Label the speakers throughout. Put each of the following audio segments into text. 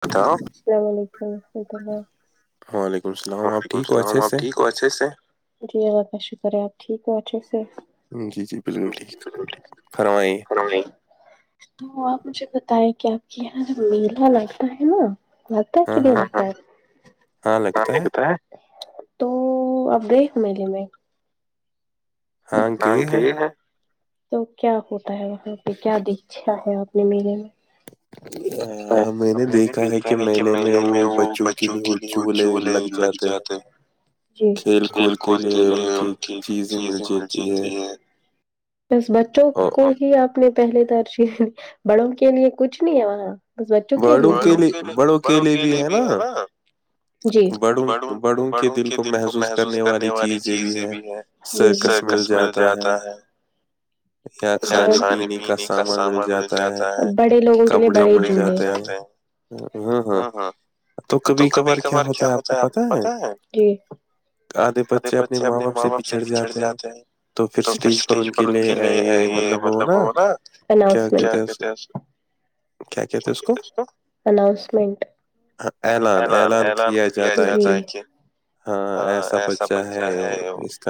Speaker 1: بتاؤ السلام علیکم ورحمۃ اللہ
Speaker 2: وعلیکم السلام اپ کی کو اچھے سے
Speaker 1: جی اللہ کا شکر ہے آپ ٹھیک ہو اچھے سے جی جی کر نہیں تو آپ مجھے بتائیں کہ آپ کے یہاں جب میلہ لگتا ہے نا مت کہ در نہیں بتا ہے تو اب دیکھ می لیے میں نان کہ تو کیا ہوتا ہے وہاں پہ کیا دیکچھا ہے آپ نے میلے میں اور اب میں نے دیکھتا ہے کہ میلے میں وہ بچوں کے لیے وہ جھولے لگ جاتے کھیل کود کے لیے ان کی چیزیں ملتی جیتی اس بچوں کو دیکھیے آپ نے پہلے درش بڑوں کے لیے کچھ نہیں ہے وہاں بچوں کےے بل بڑوں کیلے بھی ہے نا جی بڑوں بڑوں کے دل کو محسوس کرنے والی چیز یہ بھی ہے کس مل جاتا ہے کھانے پینے کا سامان مل جاتا ہے بڑے لوگوں کے لیے بہت جات ہاں ہاں تو بھی کبار کیا ہوتا ہے آپ کو پتا ہے ادے بچے اپنے ماں باپ سے بچھڑ جاتے جہ تو پھر اسٹیج پر ان کے لیے یہ مطلب وہ نا جا کہتے اعنونسمٹ اعلان اعلان پان کیا جاتا ہے کہ ہاں ایسا بچہ ہے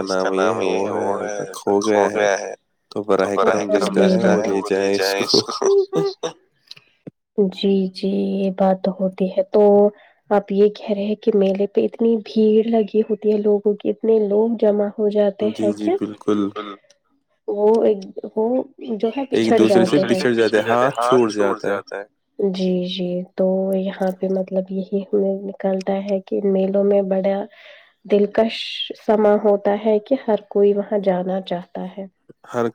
Speaker 1: اس کا نام یہ ہے وہ ہے کھو گیا ہے تو برا ہے کرم ملتا ہے وہ لے جائے اس کو جی جی یہ بات ہوتی ہے تو آپ یہ کہہ رہے ہیں کہ میلے پہ اتنی بھیڑ لگی ہوتی ہے لوگوں کی اتنے لوگ جمع ہو جاتے ہیں کیا وہ ایک وہ جو ہے پچھڑ جاتے ہے پچھڑ جاتے ہاتھ چھوٹ جاتے ہیں جی جی تو یہاں پہ مطلب یہی ہمیں نکلتا ہے کہ میلوں میں بڑ دلکش سماں ہوتا ہے کہ ہر کوئی وہاں جانا چاہتا ہے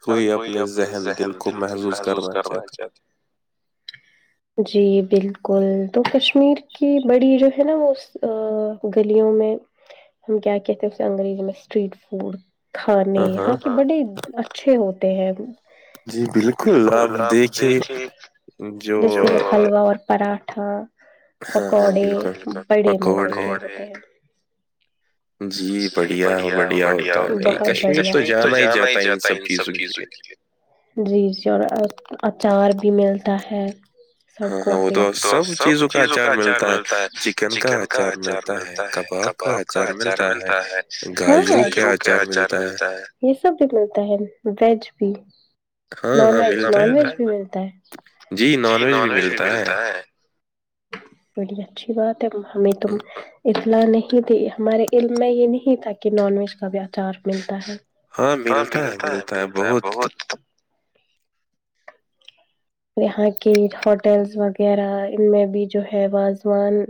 Speaker 1: ہر کوئی اپنے ذہن دل کو محظوظ کرنا چاہتا جی بالکل تو کشمیر کی بڑی جو ہے نا وہ گلیوں ہم کیا کہتے ہیں اسے انگریزی میں اسٹریٹ فوڈ کھانے ہاں کہ بڑے اچھے ہوتے ہیں جی بالکل اپ دیکھے جیسے حلوا اور پراٹھا پکوڑے بڑے مزے کے ہوتے ہیں جی بڑھیا بڑھیا ہوتا ہے کشمیر تو جانا ہی جاتتا ہے ان سب چیزوں کے لیے جی جی اور اچار بھی ملتا ہے وہاں تو سب چیزوں کا اچار ملتا ہے چکن کا اچار ملتا کباب کا آچار ملتا ہےگاجروں کے آچار ملتا ہے یہ سب بھی ملتا ہے ویج بھی نون ویج نان ویج بھی ملتا ہے جی نان ویج بھی ملتا ہے بڑی اچھی بات ہے ہمیں تم اطلاع نہیں تھی ہمارے علم میں یہ نہیں تھا کہ نان ویج کا بھی آچار ملتا ہے ہاں ملتا ہے ملتا ہے بہت یہاں کی ہوٹلز وغیرہ میں بھی جو ہے وازوان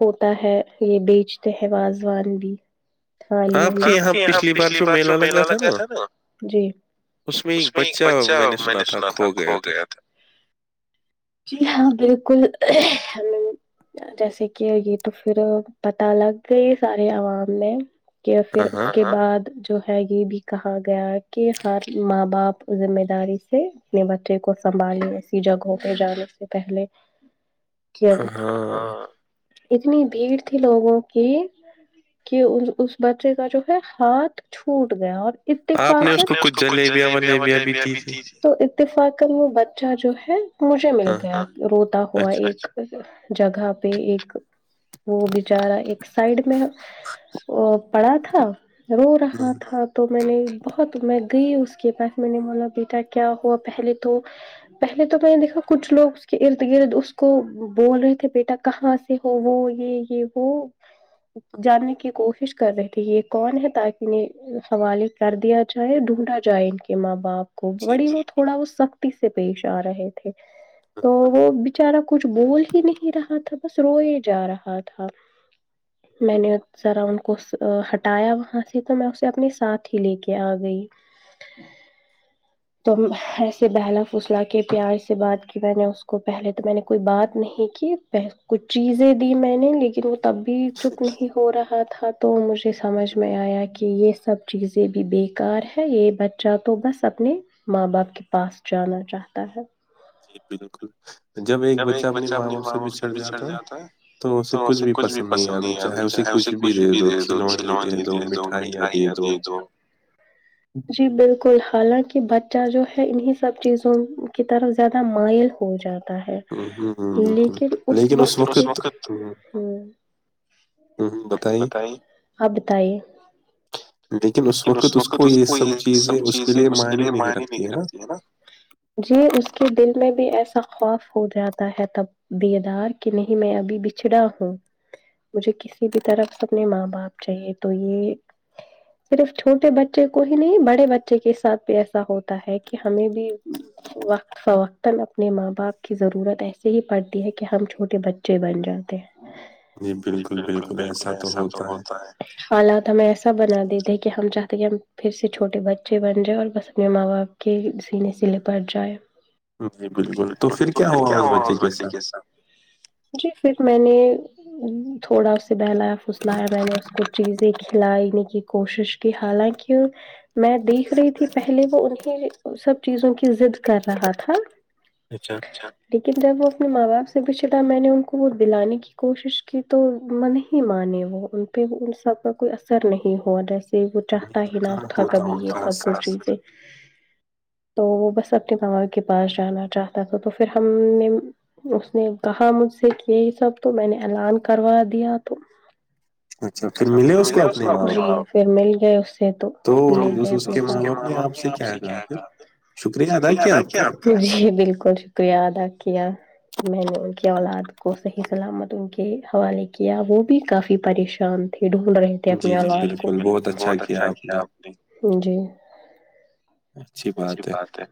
Speaker 1: ہوتا ہے یہ بیچتے ہیں وازوان بھی آپ کے یہاں پچھلی بار جو میلہ لگا تھا نا جی اس میں ایک بچہ میں نے سنا تھا کھو گیا تھا جی ہاں بالکل ہلو جیسے کہ یہ تو پھر پتا لگ گئی سارے عوام میں کی پھر اس کے بعد جو ہے یہ بھی کہا گیا کہ ہر ماں باپ ذمہ داری سے اپنے بچے کو سنبالنے ایسی جگوں پہ جانے سے پہلے اتنی بھیڑ تھی لوگوں کی کہ اس بچے کا جو ہے ہاتھ چھوٹ گیا اور اتفاقن اپ نے اس کو کچ جلیبیا ولیبیا بھی دی تھی تو اتفاقن وہ بچہ جو ہے مجھے مل گیا روتا ہوا ایک جگہ پہ ایک وہ بچارا ایک سائڈ میں وہ پڑا تھا رو رہا تھا تو میں نے بہت میں گئی اس کے پاس میں نے بولا بیٹا کیا ہوا پہلے تو پہلے تو میں نے دیکھا کچھ لوگ اس کے ارد گرد اس کو بول رہے تھے بیٹا کہاں سے ہو وہ یہ یہ وہ جاننے کی کوشش کر رہے تھے یہ کون ہے تاکہ میں اس حوالے کر دیا جائے ڈھونڈا جائے ان کے ماں باپ وہ تھوڑا وہ سختی سے پیش آ رہے تھے تو وہ بچارا کچھ بول ہی نہیں رہا تھا بس روئے جا رہا تھا میں نے ذرا ان کو ہٹایا وہاں سے تو میں اسے اپنی ساتھ ہی لے کے آ گئی [inaudible] تو ایسے بہلا فسلا کے پیار سے بات کی میں نے اس کو پہلے تو میں نے کوئی بات نہیں کی کچھ چیزیں دی میں نے لیکن وہ تب بھی چپ نہیں ہو رہا تھا تو مجھے سمجھ میں آیا کہ یہ سب چیزیں بھی بیکار ہے یہ بچہ تو بس اپنے ماں باپ کے پاس جانا چاہتا ہے
Speaker 2: جی بالکل جب ایک بچہ اپنے ماں باپ سے بچھڑ جاتا ہے تو اسے کچھ بھی پسند نہیں آتا چاہے اسے کچھ بھی دے دو کھلونے دے دو مٹھائیاں دے دو
Speaker 1: تو جی بالکل حالانکہ بچہ جو ہے انہیں سب چیزوں کی طرف زیادہ مائل ہو جاتا ہے
Speaker 2: اہمم ہممم
Speaker 1: لیکن اس وقت اس وقت ہممم بتائے آپ بتائیے لیکن اس وقت اس کو یہ سب چیزیں اس کے لیئے معنی نہیں رکھتی ہیں نا جی اس کے دل میں بھی ایسا خوف ہو جاتا ہے تب دیدار کہ نہیں میں ابھی بچھڑا ہوں مجھے کسی بھی طرف سے اپنے ماں باپ چاہیے تو یہ صرف چھوٹے بچے کو ہی نہیں بڑے بچے کے ساتھ بھی ایسا ہوتا ہے کہ ہمیں بھی وقت فوقت ن اپنے ماں باپ کی ضرورت ایسے ہی پڑتی ہے کہ ہم چھوٹے بچے بن جاتے ہیں بالکل بالکل ایسا تو ہوتا ہے حال تو ہمیں ایسا بنا دیتے ہے کہ ہم چاہتے کہ ہم پھر سے چھوٹے بچے بن جائے اور بس اپنے ماں باپ کے سینے سلے پڑ جائے
Speaker 2: جی بالکل تو پھر کیا ہوا اس بچے کے ساتھ
Speaker 1: جی پھر میں نے تھوڑا اس سے بہلایا پسلایا میں نے [unintelligible] کچھ چیزیں کھلانے کی کوشش کی حالانکہ میں دیکھ رہی تھی پہلے وہ انہیں سب چیزوں کی ضد کر رہا تھا
Speaker 2: اچھا
Speaker 1: لیکن جب وہ اپنے ماں باپ سے بھیچ چلا میں نے ان کو وہ دلانے کی کوشش کی تو نہیں مانے وہ ان پہ ان سب کا کوئی اثر نہیں ہوا جیسے وہ چاہ پتا ہی نہ اا کبھی یہ سب کچھ ہی تو وہ بس اپنے ماما کے پاس جانا چاہتا تھا تو پھر ہم نے اس نے کہا مجھ سے کہ یہی سب تو میں نے الان کروا دیا تو ج پھر مل گئے اس سے تو مے گئے اپ آپ سے کیا ہے شکریہ ادا کیا جی بالکل بالکل شکریہ اد آاکیا تو میں نے ان کی اولاد کو صحیح سلامت ان کے حوالے کیا وہ بھی کافی پریشان ڈھونڈ رہے تھے اپنی آاد کو بہت اچھا کیا آپ نے جی اچھی بات ہے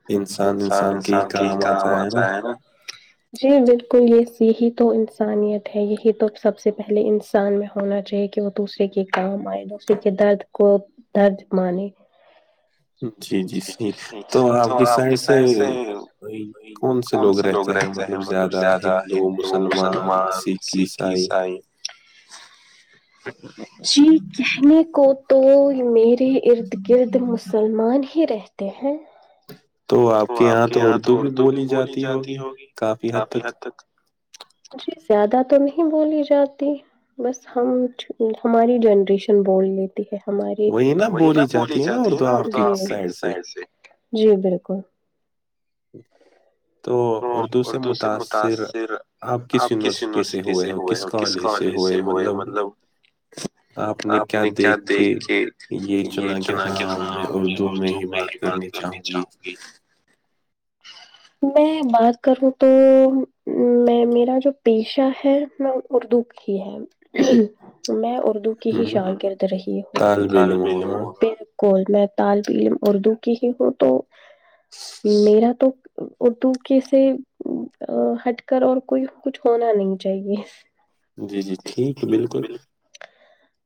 Speaker 1: انسان انسان کے ہی کام آتا ہے نا جی بالکل یہ یہی تو انسانیت ہے یہی تو سب سے پہلے انسان میں ہونا چاہیے کہ وہ دوسرے کے کام آئے دوسرے کے درد کو درد مانے جی جی تو آپ کی سائڈ سے کون سے لوگ رہتے ہیں مطلب زیادہ ہندو مسلمان سکھ عیسائی جی کہنے کو تو میرے ارد گرد مسلمان ہی رہتے ہیں
Speaker 2: تو آپ کے یہاں تو اردو بھی
Speaker 1: تو بھی بولی جاتی ہوگی کافی حد تک جی زیادہ تو نہیں بولی جاتی بس ہم ہماری جنریشن بول لیتے ہماری وہ بولی جاتی ہے نا ادو سائڈ سے جی بالکل
Speaker 2: تو اردو سے متاثر آپ کس یونیورسٹی سے ہوئے ہو کس کالج سے ہوئے مطلب
Speaker 1: ہ آپ نے کیا دیکھ کے یہ چنا کہ ہاں میں اردو میں ہی بات کرنی چاہ میں بات کروں تو میں میرا جو پیشہ ہے میں اردو ہی ہے میں اردو کی ہی شان گرد رہی ہوں کو میں طالب علم اردو کی ہی ہوں تو میرا تو اردو کیس سے ہٹ کر اور کوئی کچھ ہونا نہیں چاہیے
Speaker 2: جی جی ٹھیک ہے بالکل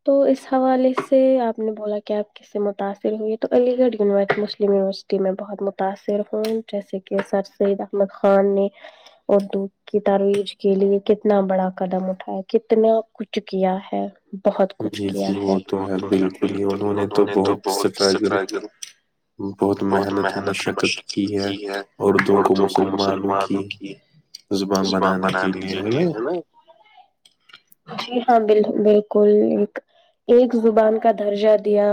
Speaker 1: تو اس حوالے سے آپ نے بولا کیاپ جس سے متاثر ہوئی ہے تو علی گڑھ مسلم یونیورسٹی میں بہت متاثر ہوں جیسے کہ سر سید احمد خان نے اردو کی ترج کے لیے کتنا بڑا قدم اٹھایا کتنا کچھ کیا ہے بہت کچھ کیا ہے وہ تو ہے بالکل ہی انہوں نے تو بہت سچائی بہت محنت مشکت کی ہے اردو کو مسلمانوں کی زبان بنانے کے لیے ہے نا جی ہاں بال بالکل ایک ایک زبان کا درجہ دیا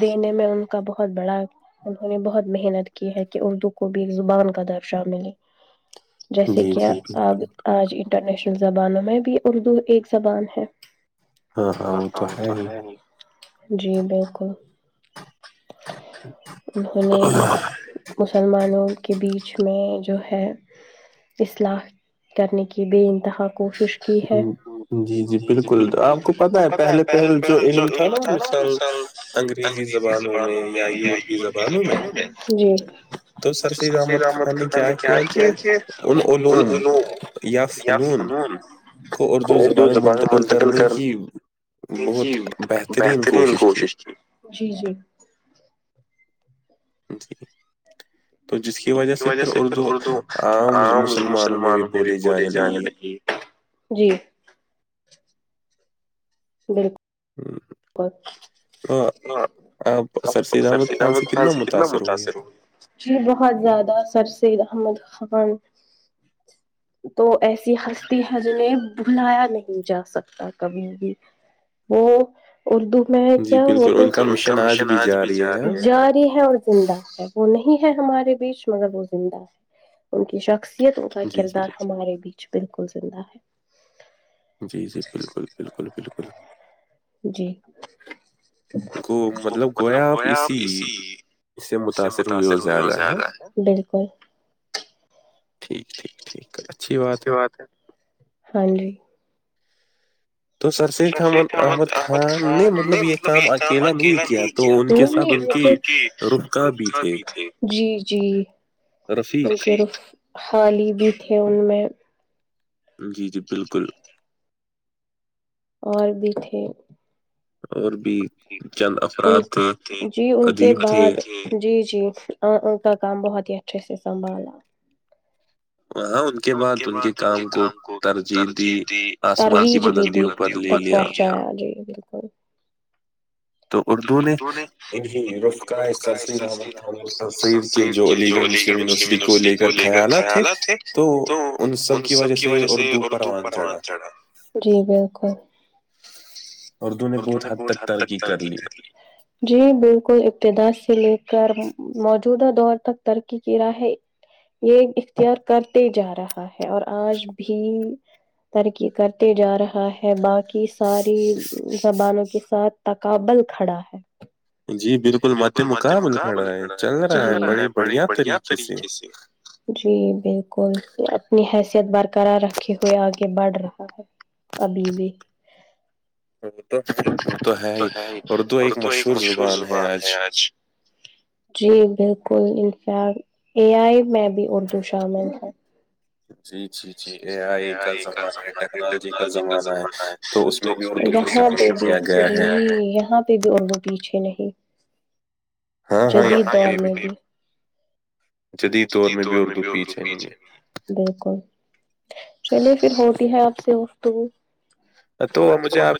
Speaker 1: دینے میں ان کا بہت بڑا انہوں نے بہت محنت کی ہے کہ اردو کو بھی زبان کا درشہ ملے جیسے کہ آ آج انٹرنیشنل زبانوں میں بھی اردو ایک زبان ہے
Speaker 2: ہاں ہاں وہ تو ہے ہی
Speaker 1: جی بالکل انہوں نے مسلمانوں کے بیچ میں جو ہے اصلاح کرنے کی بے انتہا کوشش جی جی بالکل آپ کو پت ہے پہلے پہلے جو علم تھا نا وہ مثال انگریزی زبانوں میں یا یورپی زبانوں میں جی سفید احمد خان نے کیا کیا کہ ان پ سنون [unintelligible]
Speaker 2: کو اردو زبان میں منتقل کرنے کی
Speaker 1: ی بہترین کوشش کی
Speaker 2: جی تو جس کی وجہ سے پھر اردو عام مسلمانوں میں بھی بولی جانے لگی
Speaker 1: جی بالکل
Speaker 2: ج [unintelligible]
Speaker 1: ب ہ [unintelligible] سر س احمد خان سے کتنا متاثر ہو جی بہت زیادہ سر سید احمد خان تو ایسی ہستی ہے جنہیں بلایا نہیں جا سکتا کبھی بھی وہ اردو میں کیا وہوٹنگ کا مشن آج بھی ج جاری ہے اور زندہ ہے وہ نہیں ہے ہمارے بیچ مگر وہ زندہ ہے ان کی شخص کا کردار ہمارے بیچ بالکل زندہ ہے
Speaker 2: جی جی بالکل بالکل بالکل
Speaker 1: جی
Speaker 2: گ مطلب گویا آپ اسی اس سے متاثر ہوئے اور زیادہ ہے ٹھیک
Speaker 1: ا بات ہے ہاں جی تو سرشید احمد احمد خان نے مطلب یہ کام اکیلا نہیں کیا تھا ان کے ساتھ بھی جی جی حالی بھی تھے ان میں
Speaker 2: جی جی بالکل
Speaker 1: اور بھی تھے ان جی ان کے بعد جی جی ا کا کام بہت تھس سنبالا
Speaker 2: ا [unintelligible] کے بعد ان کے کام کو ترجیح دی آسمان کی بلندیوں پر لے لیا
Speaker 1: بالکل
Speaker 2: تو اردو نے انہیں رفقا ہے سرسیر احمدان سر کے جو علی گڑھ مسلم یونیورسٹی کو لے کر خیالات تھے تو ان سب کی وجہ سے اردو
Speaker 1: چا جی بالکل عرتوں نے بہت حد تک چڑج جی بالکل ابتدا سے لے کر موجودہ دور تک ترقی کی ر ہے یہ اختیار کرتے جا رہا ہے اور آج بھی ترقی کرتے جا رہا ہے باقی ساری زبانوں کے ساتھ تقابل کھڑا ہے
Speaker 2: جی بالکل مد مقابل کھڑا ہے چل رہا ہے بڑی بڑھیا طریقے سے
Speaker 1: جی بالکل اپنی حیثیت برقرار رکھے ہوئے آگے بڑھ رہا ہے ابھی بھی
Speaker 2: [inaudible]
Speaker 1: تو ہے ہی اردو ایک مشہور زبان ہے آج جی بالکل انفیکٹ اے آئی میں بھی اردو شامل ہے یہ کا زمانہ ہے ٹیکنالوجی کا زمانہ ہے یہاں پہ بھی نہیں یہاں پہ بھی ار وہ پیچھے نہیں جدید دور نے بھی ستی دور میں بھی اردو پیچھے نہیں ہے بکل چلیے پھر ہوتی ہے آپ سے گفتگو
Speaker 2: تو مجھے آپ